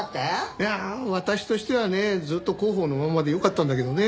いや私としてはねずっと広報のまんまでよかったんだけどね。